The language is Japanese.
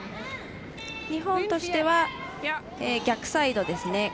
日本としては逆サイドですね。